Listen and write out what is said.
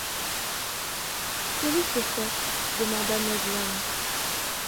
Quel est ce fait ? demanda Ned Land.